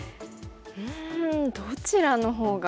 うんどちらのほうが。